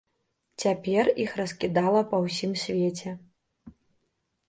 Цяпер іх раскідала па ўсім свеце.